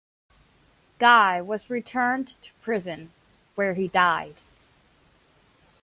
Guy was returned to prison, where he died.